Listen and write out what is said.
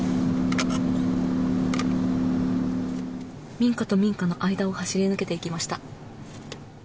民家と民家の間を走り抜けていきました。